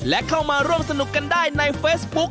และเข้ามาร่วมสนุกกันได้ในเฟซบุ๊ค